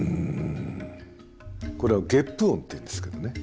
これはゲップ音っていうんですけどね